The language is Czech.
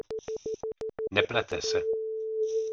Neplete se.